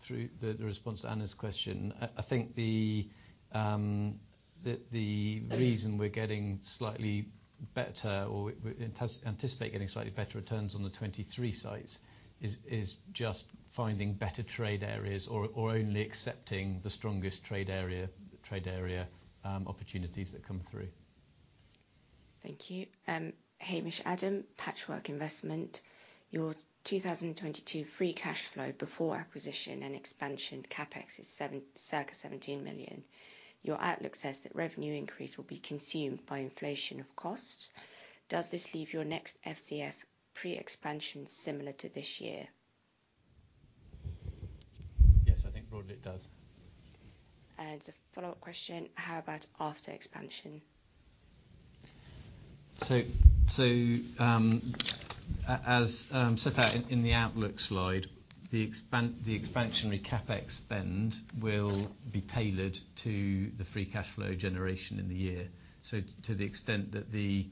through the response to Anna's question. I think the reason we're getting slightly better or we anticipate getting slightly better returns on the 23 sites is just finding better trade areas or only accepting the strongest trade area opportunities that come through. Thank you. Hamish Adam, Patchwork Investment. Your 2022 free cash flow before acquisition and expansion CapEx is circa 17 million. Your outlook says that revenue increase will be consumed by inflation of cost. Does this leave your next FCF pre-expansion similar to this year? Yes, I think broadly it does. A follow-up question. How about after expansion? As set out in the outlook slide, the expansionary CapEx spend will be tailored to the free cash flow generation in the year. To the extent that the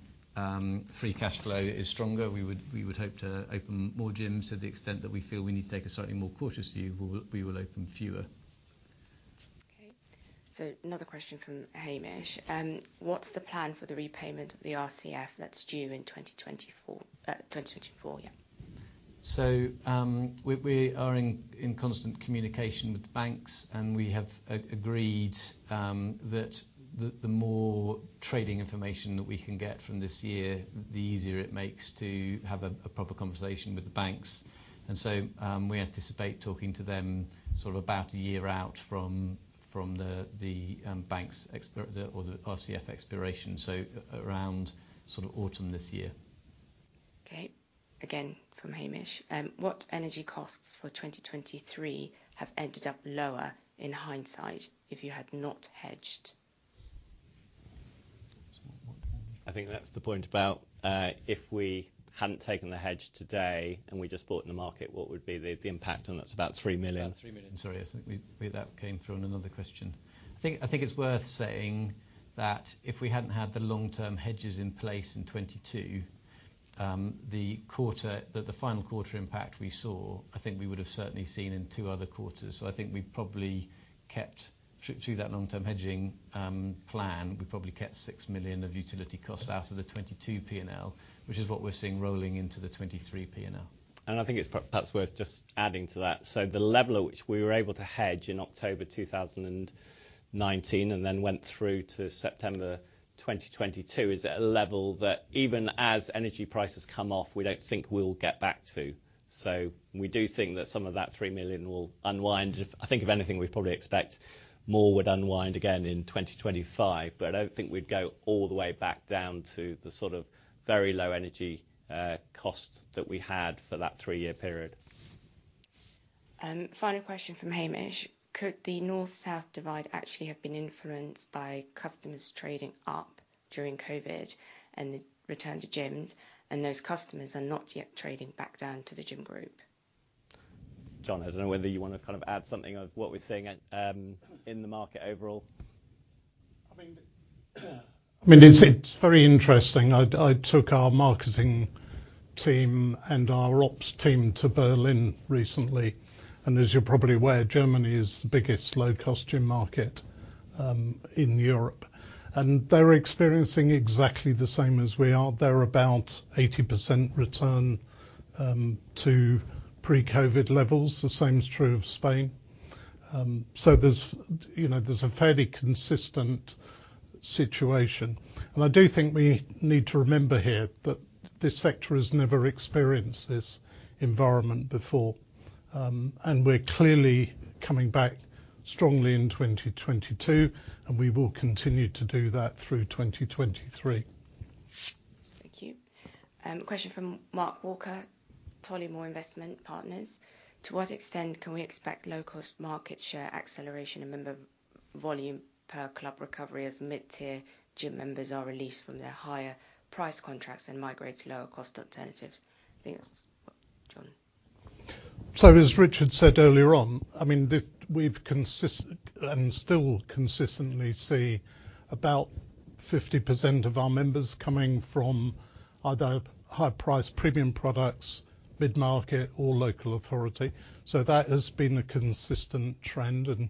free cash flow is stronger, we would hope to open more gyms. To the extent that we feel we need to take a slightly more cautious view, we will open fewer. Okay. Another question from Hamish. What's the plan for the repayment of the RCF that's due in 2024? 2024, yeah. We are in constant communication with the banks, and we have agreed that the more trading information that we can get from this year, the easier it makes to have a proper conversation with the banks. We anticipate talking to them sort of about a year out from the banks or the RCF expiration, so around sort of autumn this year. Okay. Again, from Hamish. What energy costs for 2023 have ended up lower in hindsight if you had not hedged? I think that's the point about, if we hadn't taken the hedge today and we just bought in the market, what would be the impact and that's about 3 million. About 3 million. Sorry, I think we that came through on another question. I think it's worth saying that if we hadn't had the long-term hedges in place in 2022, the final quarter impact we saw, I think we would have certainly seen in two other quarters. I think we probably kept to that long-term hedging plan. We probably kept 6 million of utility costs out of the 2022 P&L, which is what we're seeing rolling into the 2023 P&L. I think it's perhaps worth just adding to that. The level at which we were able to hedge in October 2019 and then went through to September 2022 is at a level that even as energy prices come off, we don't think we'll get back to. We do think that some of that 3 million will unwind. I think if anything, we probably expect more would unwind again in 2025, but I don't think we'd go all the way back down to the sort of very low energy costs that we had for that three-year period. Final question from Hamish. Could the North-South divide actually have been influenced by customers trading up during COVID and the return to gyms, and those customers are not yet trading back down to The Gym Group? John, I don't know whether you wanna kind of add something of what we're seeing at, in the market overall. I mean, it's very interesting. I took our marketing team and our ops team to Berlin recently, as you're probably aware, Germany is the biggest low-cost gym market in Europe. They're experiencing exactly the same as we are. They're about 80% return to pre-COVID levels. The same is true of Spain. There's, you know, a fairly consistent situation. I do think we need to remember here that this sector has never experienced this environment before. We're clearly coming back strongly in 2022, and we will continue to do that through 2023. Thank you. Question from Mark Walker, Tollymoore Investment Partners. To what extent can we expect low-cost market share acceleration and member volume per club recovery as mid-tier gym members are released from their higher price contracts and migrate to lower cost alternatives? I think that's John. As Richard said earlier on, I mean, still consistently see about 50% of our members coming from either high-priced premium products, mid-market or local authority. That has been a consistent trend and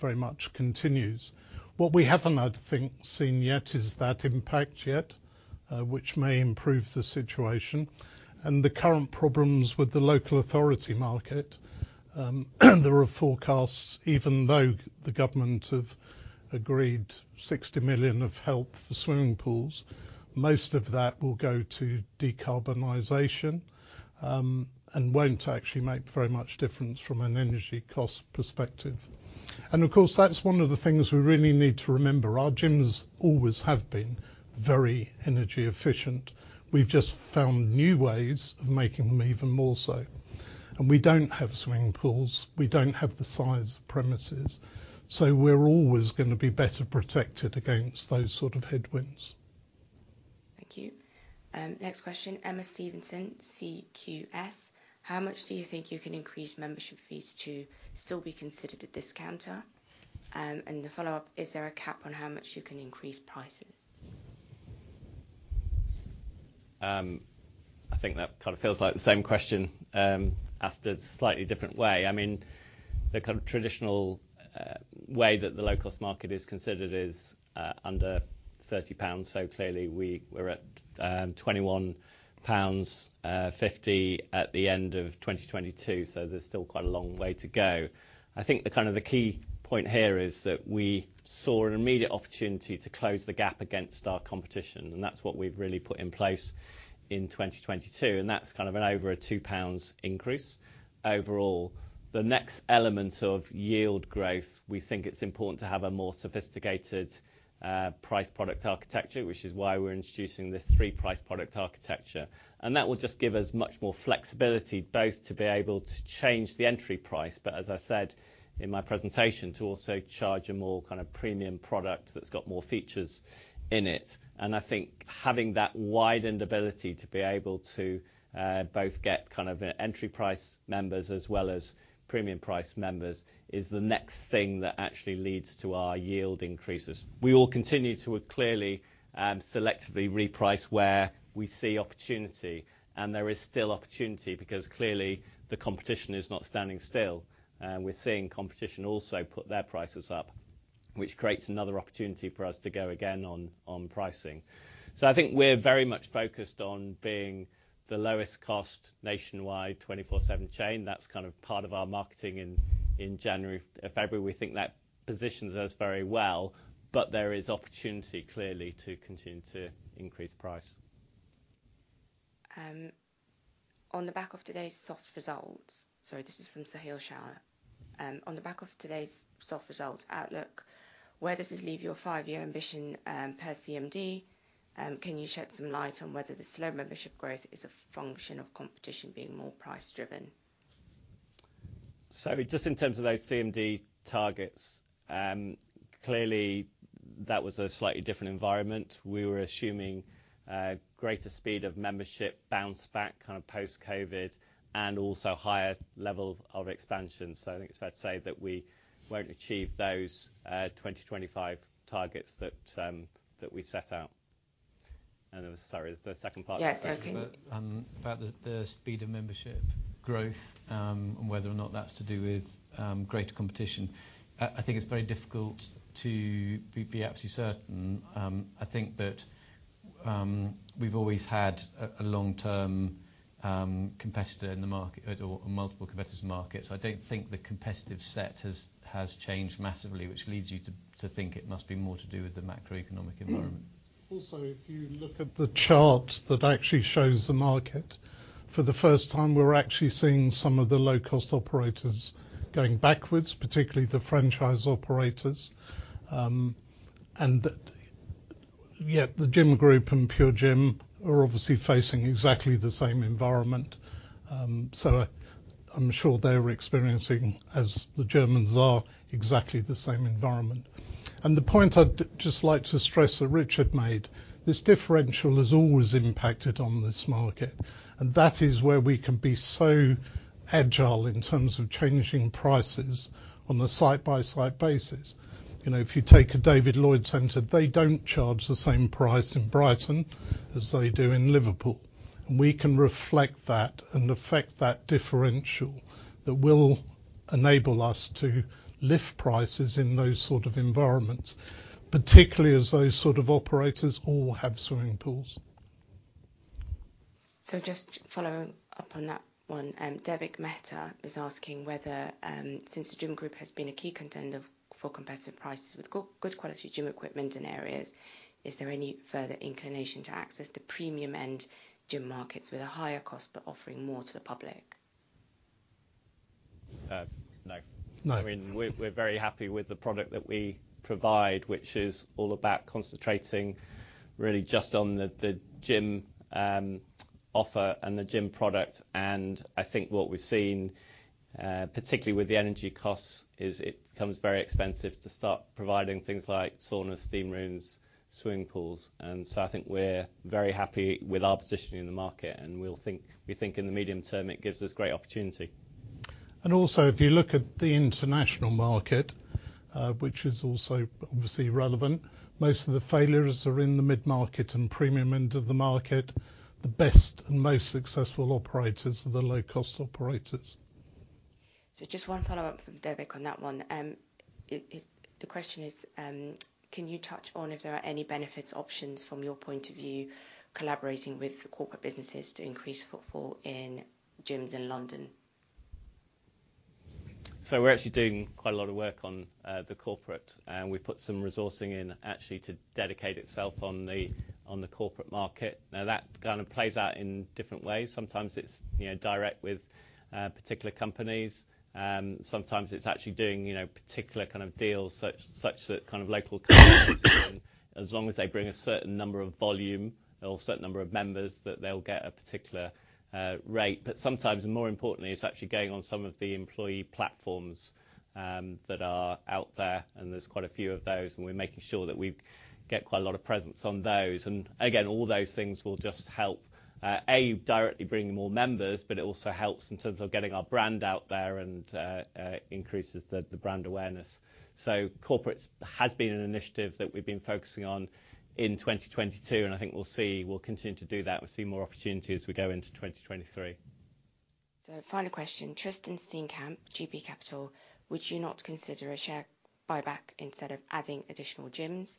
very much continues. What we haven't, I think, seen yet is that impact yet, which may improve the situation. The current problems with the local authority market, there are forecasts, even though the government have agreed 60 million of help for swimming pools, most of that will go to decarbonization and won't actually make very much difference from an energy cost perspective. Of course, that's one of the things we really need to remember. Our gyms always have been very energy efficient. We've just found new ways of making them even more so. We don't have swimming pools. We don't have the size of premises, so we're always gonna be better protected against those sort of headwinds. Thank you. Next question, Emma Stevenson, CQS. How much do you think you can increase membership fees to still be considered a discounter? The follow-up, is there a cap on how much you can increase pricing? I think that kind of feels like the same question, asked a slightly different way. I mean, the kind of traditional, way that the low-cost market is considered is under 30 pounds. Clearly we're at 21.50 pounds at the end of 2022, so there's still quite a long way to go. I think the kind of the key point here is that we saw an immediate opportunity to close the gap against our competition, and that's what we've really put in place in 2022, and that's kind of an over a 2 pounds increase overall. The next element of yield growth, we think it's important to have a more sophisticated, price product architecture, which is why we're introducing this three-price product architecture. That will just give us much more flexibility both to be able to change the entry price, but as I said in my presentation, to also charge a more kind of premium product that's got more features in it. I think having that widened ability to be able to both get kind of entry price members as well as premium price members is the next thing that actually leads to our yield increases. We will continue to clearly selectively reprice where we see opportunity, and there is still opportunity because clearly the competition is not standing still. We're seeing competition also put their prices up, which creates another opportunity for us to go again on pricing. I think we're very much focused on being the lowest cost nationwide 24/7 chain. That's kind of part of our marketing in January, February. We think that positions us very well, but there is opportunity clearly to continue to increase price. On the back of today's soft results. Sorry, this is from Sahill Shan. On the back of today's soft results outlook, where does this leave your five-year ambition, per CMD? Can you shed some light on whether the slow membership growth is a function of competition being more price driven? Just in terms of those CMD targets, clearly that was a slightly different environment. We were assuming greater speed of membership bounce back kind of post-COVID and also higher level of expansion. I think it's fair to say that we won't achieve those 2025 targets that we set out. Sorry, is there a second part to the question? Yes. About the speed of membership growth, and whether or not that's to do with greater competition. I think it's very difficult to be absolutely certain. I think that we've always had a long-term competitor in the market or multiple competitors in the market. I don't think the competitive set has changed massively, which leads you to think it must be more to do with the macroeconomic environment. Mm-hmm. If you look at the chart that actually shows the market, for the first time, we're actually seeing some of the low-cost operators going backwards, particularly the franchise operators. Yet The Gym Group and PureGym are obviously facing exactly the same environment. I'm sure they're experiencing, as the Germans are, exactly the same environment. The point I'd just like to stress that Rich had made, this differential has always impacted on this market, and that is where we can be so agile in terms of changing prices on a site-by-site basis. You know, if you take a David Lloyd Center, they don't charge the same price in Brighton as they do in Liverpool, and we can reflect that and affect that differential that will enable us to lift prices in those sort of environments, particularly as those sort of operators all have swimming pools. Just follow up on that one. Vivek Mehta is asking whether since The Gym Group has been a key contender for competitive prices with good quality gym equipment in areas, is there any further inclination to access the premium end gym markets with a higher cost, but offering more to the public? No. No. I mean, we're very happy with the product that we provide, which is all about concentrating really just on the gym offer and the gym product. I think what we've seen, particularly with the energy costs, is it becomes very expensive to start providing things like sauna, steam rooms, swimming pools. I think we're very happy with our positioning in the market, and we think in the medium term it gives us great opportunity. If you look at the international market, which is also obviously relevant, most of the failures are in the mid-market and premium end of the market. The best and most successful operators are the low-cost operators. Just one follow-up from Vivek Mehta on that one. The question is, can you touch on if there are any benefits, options from your point of view, collaborating with corporate businesses to increase footfall in gyms in London? We're actually doing quite a lot of work on the corporate, and we've put some resourcing in actually to dedicate itself on the, on the corporate market. That kind of plays out in different ways. Sometimes it's, you know, direct with particular companies. Sometimes it's actually doing, you know, particular kind of deals, such that kind of local companies as long as they bring a certain number of volume or a certain number of members, that they'll get a particular rate. Sometimes, more importantly, it's actually going on some of the employee platforms that are out there, and there's quite a few of those, and we're making sure that we get quite a lot of presence on those. All those things will just help A, directly bring more members, but it also helps in terms of getting our brand out there and increases the brand awareness. Corporates has been an initiative that we've been focusing on in 2022, and I think we'll see, we'll continue to do that. We'll see more opportunities as we go into 2023. Final question. Tristan Steenkamp, GP Capital. Would you not consider a share buyback instead of adding additional gyms?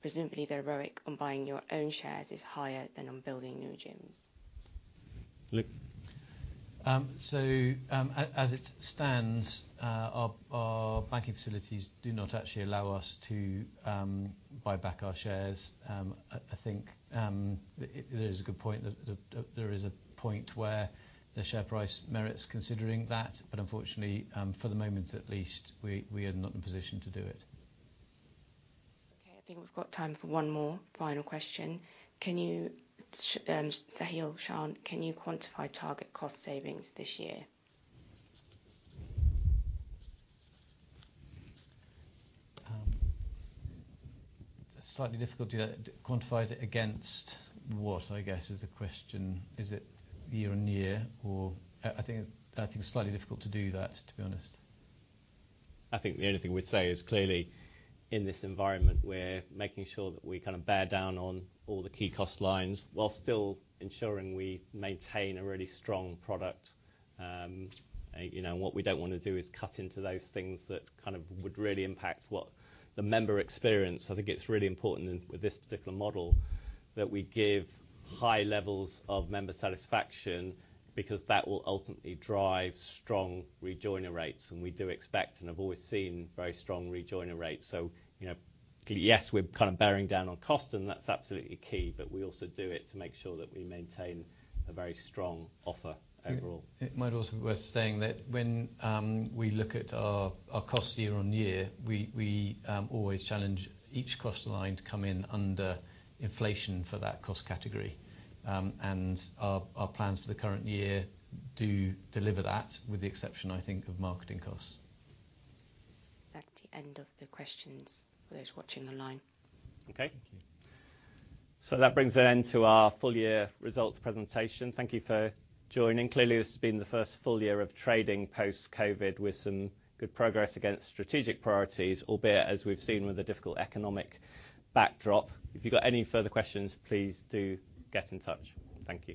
Presumably, the ROIC on buying your own shares is higher than on building new gyms. Luke? As it stands, our banking facilities do not actually allow us to buy back our shares. I think it is a good point. That there is a point where the share price merits considering that. Unfortunately, for the moment at least, we are not in a position to do it. I think we've got time for one more final question. Can you, Sahill Shan, can you quantify target cost savings this year? Slightly difficult to quantify it against what, I guess, is the question. Is it year on year or? I think it's slightly difficult to do that, to be honest. I think the only thing we'd say is clearly, in this environment, we're making sure that we kind of bear down on all the key cost lines while still ensuring we maintain a really strong product. You know, what we don't wanna do is cut into those things that kind of would really impact what the member experience. I think it's really important in, with this particular model, that we give high levels of member satisfaction because that will ultimately drive strong rejoiner rates, and we do expect, and I've always seen very strong rejoiner rates. You know, yes, we're kind of bearing down on cost, and that's absolutely key, but we also do it to make sure that we maintain a very strong offer overall. It might also be worth saying that when we look at our costs year-over-year, we always challenge each cost line to come in under inflation for that cost category. Our plans for the current year do deliver that, with the exception, I think, of marketing costs. That's the end of the questions for those watching online. Okay. Thank you. That brings an end to our full year results presentation. Thank you for joining. Clearly, this has been the first full year of trading post-COVID with some good progress against strategic priorities, albeit as we've seen with the difficult economic backdrop. If you've got any further questions, please do get in touch. Thank you.